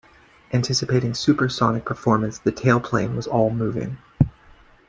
Anticipating supersonic performance, the tailplane was all-moving.